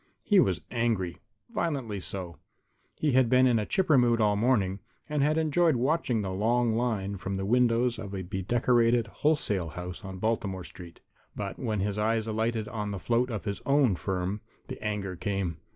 He was angry, violently so. He had been in a chipper mood all morning and had enjoyed watching the long line from the windows of a bedecorated wholesale house on Baltimore street. But when his eyes alighted on the float of his own firm, the anger came.